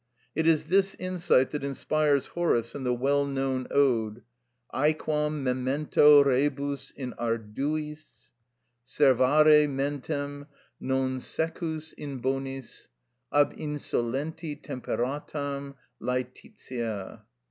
It is this insight that inspires Horace in the well known ode— "Æquam memento rebus in arduiis Servare mentem, non secus in bonis Ab insolenti temperatam _Lætitia.